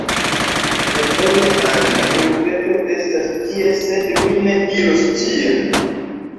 La vojo al la urbeto estas tie sed mi ne iros tien